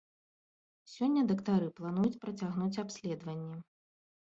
Сёння дактары плануюць працягнуць абследаванні.